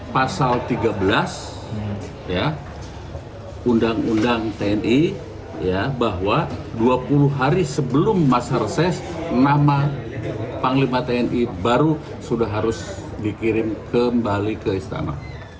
pasal tiga belas undang undang tni bahwa dua puluh hari sebelum masa reses nama panglima tni baru sudah harus dikirim kembali ke istana